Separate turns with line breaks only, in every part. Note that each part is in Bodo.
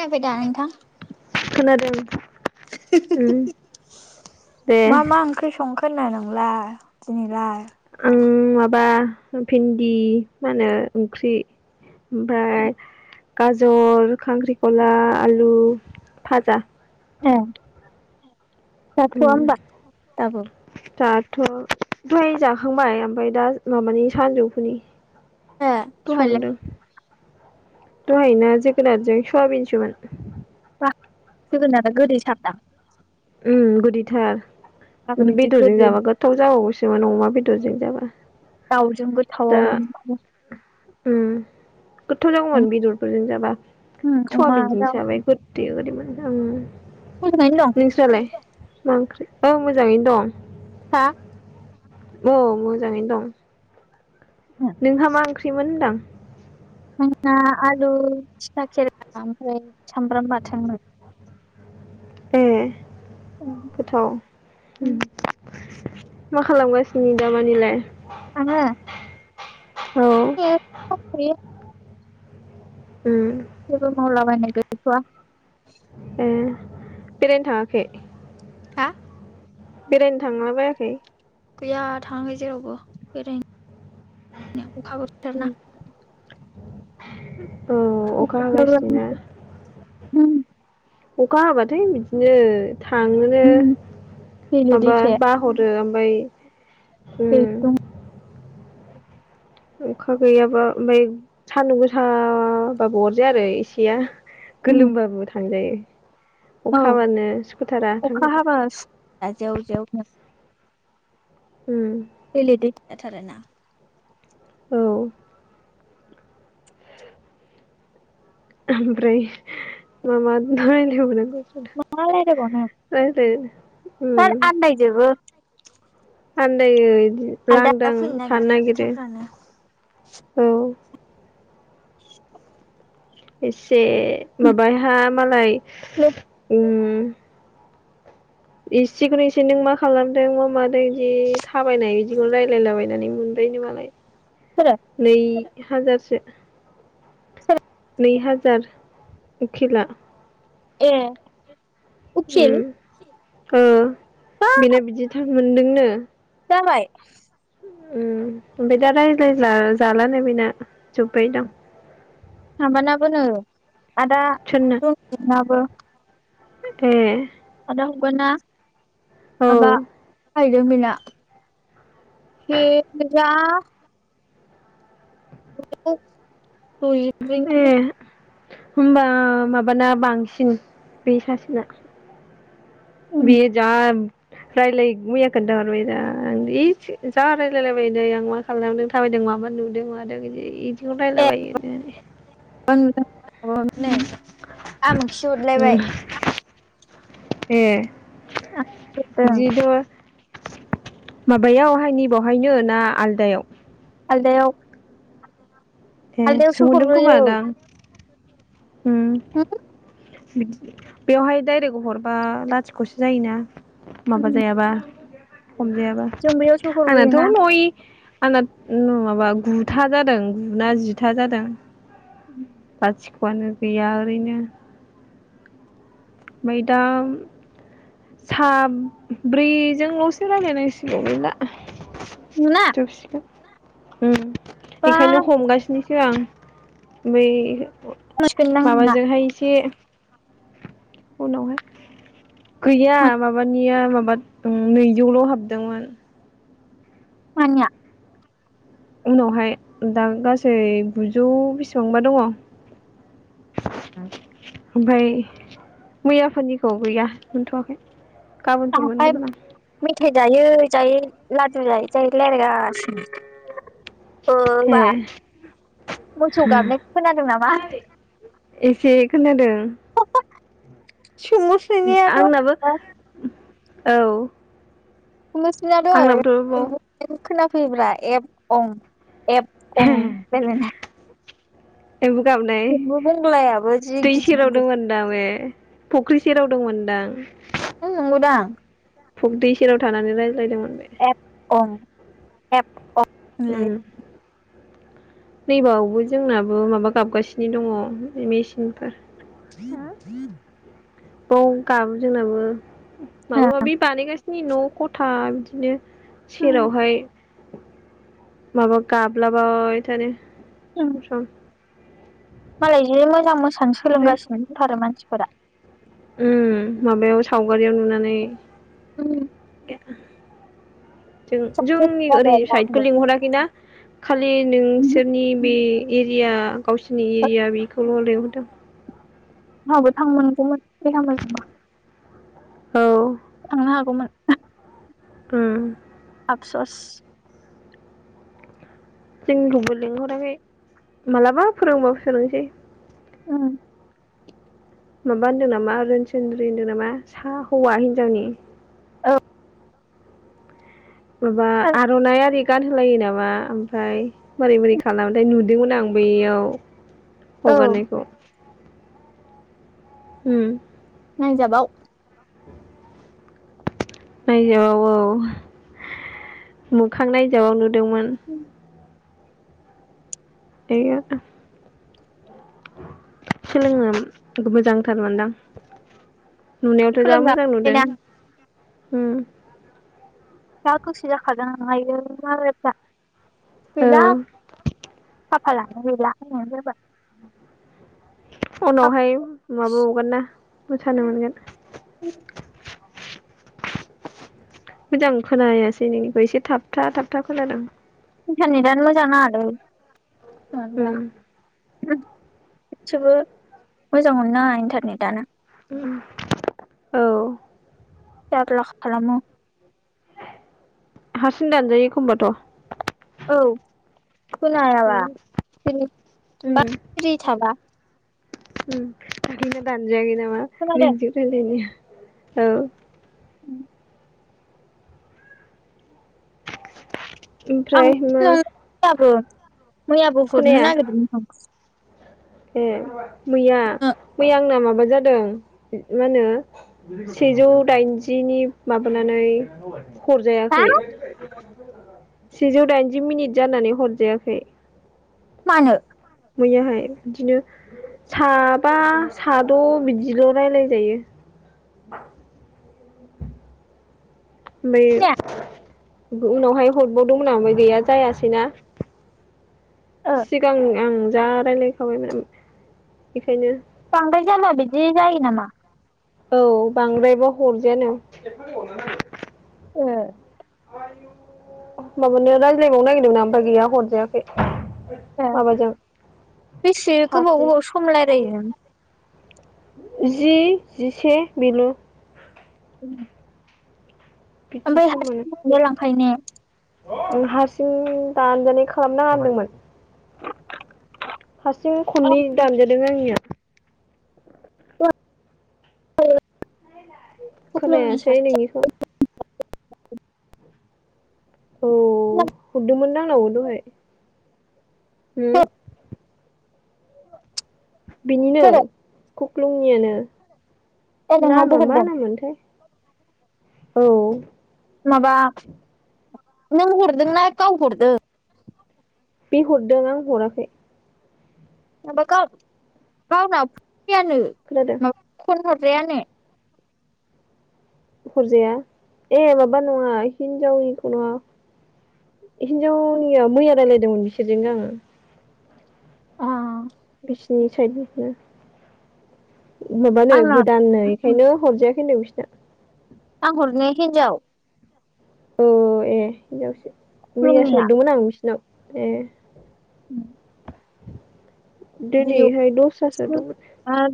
खोनाबाय दा नोंथां?
खोनादों उम दे
फोननाय नोंलाय दिनैलाय
उम माबा भिन्दि मा होनो ओंख्रि ओमफ्राय गाजर खांख्रिखला आलु फाजा
[unintelligible] दाथया
उम
होमबा दाबो
थ दहाय जाखांबाय ओमफ्राय दा माबानि सानजौफुनि
ए
[inaudible]
दहायलाय
संदों दहायना जोगोनारजों सयाबिनसोन।
जोगोनारा गोदै साबदां?
उ गुदैथार।
आं बिदि
बेदरजों
गोदै
जाबा गोथाव जाबावोसो मान अमा बेदरजों जाबा [inaudible]
दउजोंबो गोथाव
दा उम गोथाव जागौमोन बेदरफोरजों जाबा
अमा दाउ
सवाबिनजोंसो जाबाय [unintelligible]
मोजाङैनो
नोंस्रलाय मा ओंख्रि औ मोजाङैनो दं
हा?
औ मोजाङैनो दं। नोंहा मा ओंख्रि? सिमोनदां
जोना आलु थथा केेरेला ओमफ्राय सामब्राम बाथोन।
ए गोथाव मा खालामगासिनो दामानिलाय?
आङो?
औ उम
जेबो मावला बायनाय गै थवा
ए बेरायनो थाङाखै?
हा?
बेरायनो थांला बायाखै?
गैया थांङाखै जेरावबो बेरायनो। अखा
उम
बोथोरना
[inaudible] औ अखा हागा सिनोना?
[unintelligible]
अखा हाबाथाय बिदिनो थांनोनो
उम दैलो
माबा
दैथाया
बाहरो। बै ओम
दैख्लुं
अखा गैयाबा ओमफ्राय सान्दुं गोसाबाबो अरजाया आरो इसेया
उम
गोलोमबाबो थांजायो।
औ
अखा हाबानो स्कुटारा थांनो
अखा हाबास जेव जेवनो।
उम।
बेेले दैथे जाथारोना।
औ। ओमफ्राय मा मा [unintelligible] [unintelligible]
होथ आन्दाय जोबो।
आन्दायो।
आलदा आलदा
लांदां
फैनो
थानो
नागिरो खोथाफ्रानो।
औ इस। ए माबाय हा मालाय
हेल'
उम। लांदां इसेखौनो एसे नों मा खालामदों मा मादों बिदि थाबायनाय बिदिखौनो रायजलायलाबायनानै मोनबाय नो मालाय।
सोरो
नै। हाजारसो।
[unintelligible]
[unintelligible] हाजार उखिला।
ए।
उम
उखिल।
ओ
बां
बेना बिदिथार मोनदोंनो।
जाबाय।
उम। ओमफाय दा रायज्लायला जालानो। बैना जोब्बाय दां।
माबानाबो नो। आदा
सोरना
[unintelligible]
ए।
आदा हगाना।
औ
माबा। [unintelligible] [unintelligible]
ए
[unintelligible]
होमबा माबाना बांसिन बे सासेना बियो जा रायलाय मैया खोन्थाहरबाय दा आं इस जा रायलायलायबाय नै आं मा खालामलांदों थाबायदों माबा नुदों मादों इदि [unintelligible] रायला बायो होनदो।
[unintelligible] अ नै आमोखिसो हरलायबाय।
उम ए
आं हरदों
जि द माबायावहाय नै बावहायनो ना आलदायाव?
आलदायाव।
ए
आलदायावसो
सोंहरदों खोमा
हरग्रोयो
दां। उम बिदि बेवहाय दायरेक हरबा लाथिख'सो जायोना। माबा जायाबा हमजायाबा
जों बैयाव सहरब्रै
आंनाथ'
ना
नय आंना नङाबा गुथा जादों गुना जिथा जादों। बाथिख खआनो गैया ओरैनो। मैदाम साब्रैजोंल'सो रायलायनांसिगौ गैला।
मोना
जोबसिगोन। उम
बा
बेखायनो हमगासिनो होआं बै
मोनसिगोनदां नोंना
माबाजोंहाय इसे उनावहाय गैया माबानिया माब बाद नैजौल' हाबदोंमोन।
मानिया?
उनावहाय दा गासै गुजौ बिसिबांबा दङ। ओमफाय मैयाफोरनिखौ गैया मोनथ'वाखै। गाबोनफोर
आमफाय
मोनगोन दां
मेथाइ जायै जायै लादु जायै जायै रायलायगासिनो। बा मोसौ गाबनाय खोनादों नामा
एसे खोनादों। आंनाबो
[unintelligible]
औ।
कलुसना दहाय
आंनाबोथ' बाव
[unintelligible] खोनाफैयोब्रा एफ अं एफ अं रायलायनाय।
एम्बु गाबनाय
जोंबो बंग्लायाबो जि
दै
गिदिर गिदिर
सेरावदोंमोन दाबे। फख्रिसेेराव दंमोनदां।
[unintelligible]
दै सेराव थानानै रायज्लायदोंमोन। बे
एप अं एप अं [unintelligible]
नै बेबावबो जोंनाबो माबा गाबगासिनो दङ मेचिनफोर।
[unintelligible]
औ गाबो जोंनाबो। माबा माबि बानायगासिनो न' खथा बिदि दिनो
होनलायलायो।
सेरावहाय माबा गाबलाबाय थानो। सम सम।
मालाय जि मोजां मोसानो
ओमफ्राय
सोलोंगासिनो दंथारो मानसि फोरा।
उम माबायाव सावगारियाव नुनानै।
उम।
[unintelligible] जों जोंनि ओरै साइदखौ
आंबो
लिंहराखैना। खालि नोंसोरनि बे एरिया गावसोरनि एरिया बेखौल' लिह [unintelligible]
[unintelligible]
औ
थांनो हागौमोन।
ओं।
आफसस।
जोंनिखौबो लिंहराखै मालाबा फोरोंबाव सोलोंसै।
उम।
माबा होन्दों नामा रनसोनन्द्रि होनदों नामा सा हौवा हिनजावनि
औ।
माबा आर'नाइ आरि गानहोलायो नामा ओमफ्राय मारै मोरै खालामोथाय नुदोंमोन आं बैयाव
औ
हगारनायखौ
नायजाबाव
नायजाबाव औ मोखां नायजाबाव नु दोंमोन। दे होमबा सोलोंनो मोजांथार मोनदां नुनायावथ' जा मोजां नुदों
सोलोंजाबायना
उम
दा गोसो जाखादों हायो आरो मा
औ
फैला खाफालानो गैला होननायानो जाबाय
उनावहाय माबाबावगोन ना मोसानो मोनगोन
[inaudible]
मोजां खोनायासै नोंनिखो एसे थाबथा थाबथा खोनादों
नेटआनो मोजां नाङा लै
उम
इथसेबो मोजां मोनना इन्टारनेटानो
औ
जारला खालामो
हारसिं दानजायो एखमबाथ'
औ खोनायाबा
उम
सिरि थाबा खोनादों
[unintelligible] [unintelligible] औ ओमफ्राय
आं
मा
मैयाबो मैयाबो
खोनाया
हरनो नागिरदोंमोन आं
ए मैया मैया आंना मा माबा जादों मा होनो सेजौ दाइनजिनि माबानानै
आं। हा
हरजायाखै सेजौ दाइनजि मिनिट जानानै हरजायाखै
मानो
मैयाहाय बिदिनो साबा साद' बिदिल' रायलायजायो बै
खोनाया?
उनावहाय हरबावदोंमोन आं ओमफाय गैया जायासैना
ओ
सिगांनिया ओं जा [unintelligible] बेखायनो
बांद्राय जाबा बिदि जायो नामा
औ बांद्रायबा हरजायानो
ओ
माबानो रायज्लायबावनो नागिरदोंमोन आं ओमफाय गैया हरजायाखै
ए
माबाजों
बेसे गोबाव
सासे
गोबाव सम रायलायो नों
जि जिसे बेल
उम
बिदि
ओमफ्राय
सम मोनो
हारसिंज [unintelligible] लांखायो ने
हारसिं दानजानाय खालामनाङा होनदोंमोन हारसिं खननै दानजादों आंनिया
[unintelligible] फुख्लुंनि
खोनायासै नोंनिखौ औ
सासे
हरदोंमोदा आंनावबो दहाय होम बिनिनो
सोरो
खुख्लुंनियानो
ए नोंनावबो
नामा मा
हरदों
नाम मोनथाय औ
माबा नों हरदोंना गाव हरदों
बे हरदों आं हराखै
माबा गाव-गावनाबो फैयानो
खोनादों
[unintelligible] जायानो
हरजाया ए माबा नङा हिनजावनिखौ नङा हिनजावनिया मैया रायलायदोंमोन बिसोरजों आङो
आ
बिसिनि साइदिनो माबानो
आंना
गोदाननो बेनो हरजायाखैनो बिसिना
आं हरनाया हिनजाव
औ ए हिन्जावसो मैयासो
खुलुमनिया
हरदोंमोन आं बिसि [unintelligible] ए
उम
दिनैहाय दस्रासो दंमोन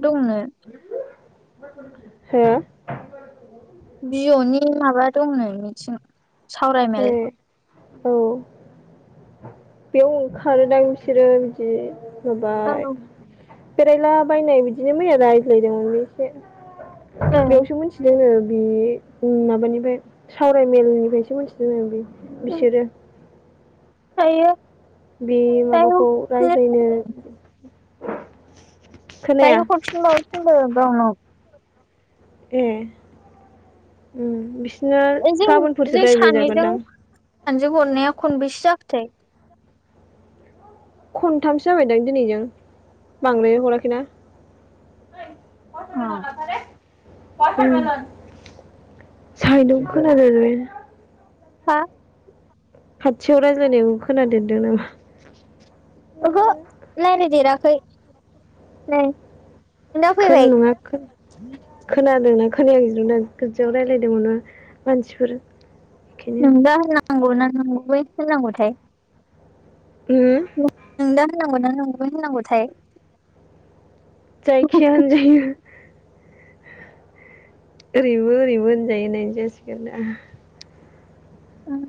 दंनो
हो
[unintelligible] नि माबा दंनो मिथिं
ए
सावरायमेल
औ बेयाव ओंखारोदां बिसोरो बिदि
औ
सबाय बेरायला बायनाय बिदिनो मैया रायज्लायदोंमोनलै इसे।
ओं
बेयावसो मिथिदोंनो। बे माबानिफ्राय सावरायमेलनिफ्रायसो मोनथि दोंनो [unintelligible] बिसोरो
[unintelligible]
बे
दायो
माबाखौ रायज्लायनो [inaudible] खोनाया
दायोबो हरफिन बावनो थिनदों गावनाव।
ए उम बि
जों जों सानैजों सानैजों हरनाया खनबेसे जा खोथाय
खनथामसो जाबायदां दिनैजों। बांद्राय हराखैना। [inaudible] उम साइदयाव खोनादो लै।
हा
खाथियाव रायज्लायनायखौ खोनादेरदों नामा?
ओहो। लायरायदेेराखै नै नोंना
खोन
फैबाय
नङा [unintelligible] खोनादोंना खोनायाखै नोंदो आं खोनसेयाव रायलायदोमोन ना मानसिफोर बेखायनो
[unintelligible] होननांगौथाय
उम
नों [unintelligible] होनांगौ ना नंगौ होनांगौथाय?
जायखिजाया होनजायो। ओरैबो ओरैबो होनजायो होननाय जासिगोन दा।
उम।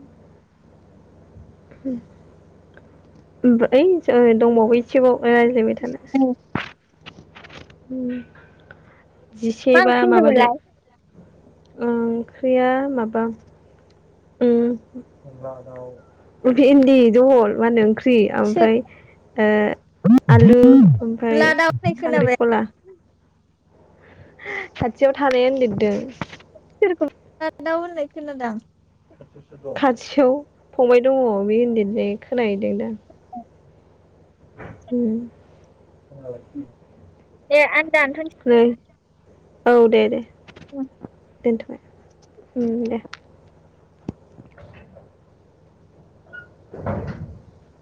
[unintelligible] दंबावो इसेबाव रायज्लायबाय थानो उम। जिसे
मा
बा
ओंख्रि
माबादो
होनदोंमोनलाय
ओंख्रिया माबा उ भन्दि जहल माहोनो ओं ख्रि ओमफाय ओ आलु ओमफाय खांख्रिखला। खाथियाव थानायानो लिरदो।
सोरखौ [unintelligible]
खाथियाव फंबाय दङ बे ओनदैनिफ्रायनो खोनाहैदों दां
[inaudible]
उम ओ
दे आं दानथ'नि
औ दे दे।
अवान
दोनथ'बाय उम दे।
[inaudible]
[inaudible]